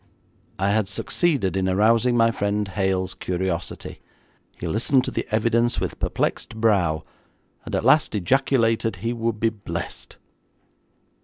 I had succeeded in arousing my friend Hale's curiosity. He listened to the evidence with perplexed brow, and at last ejaculated he would be blessed.